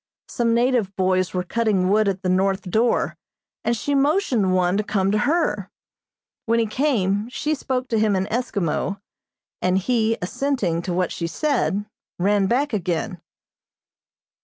Some native boys were cutting wood at the north door, and she motioned one to come to her. When he came, she spoke to him in Eskimo, and he, assenting to what she said, ran back again.